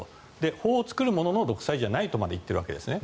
法を作る者の独裁じゃないとまで言っているんですね。